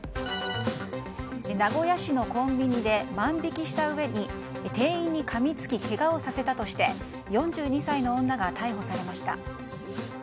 名古屋市のコンビニで万引きしたうえに店員にかみつきけがをさせたとして４２歳の女が逮捕されました。